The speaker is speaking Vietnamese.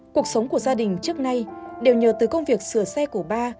cuộc sống của gia đình trước nay đều nhờ từ công việc sửa xe của ba